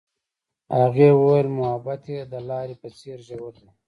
هغې وویل محبت یې د لاره په څېر ژور دی.